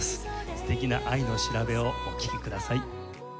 素敵な愛の調べをお聴きください。